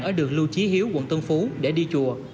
ở đường lưu chí hiếu quận tân phú để đi chùa